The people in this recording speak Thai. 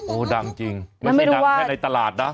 โอ้โหดังจริงไม่ใช่ดังแค่ในตลาดนะ